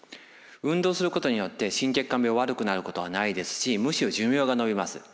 運動することによって心血管病が悪くなることはないですしむしろ寿命が延びます。